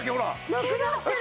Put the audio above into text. なくなってる！